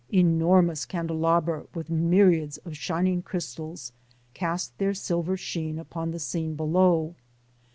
Enormous candelabra with myriads of shining crystals cast their silver sheen upon the scene below.